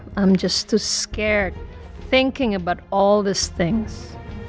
saya sangat takut berpikir tentang semua hal ini